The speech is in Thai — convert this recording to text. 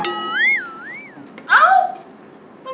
เอ้า